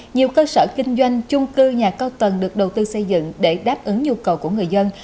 nhiều cơ sở kinh doanh chung cư nhà cao tầng được đầu tư xây dựng để đáp ứng nhu cầu của người dân